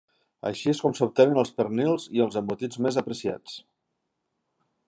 Així és com s'obtenen els pernils i els embotits més apreciats.